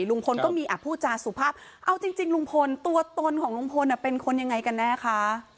ลุงพลก็มีอ่ะพูดจาสุภาพเอาจริงลุงพลตัวตนของลุงพลเป็นคนยังไงกันแน่คะ